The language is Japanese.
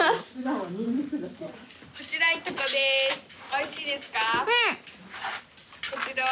おいしいですか？